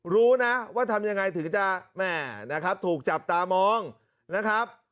รู้นะว่าทำยังไงถึงจะแม่นะครับถูกจับตามองนะครับ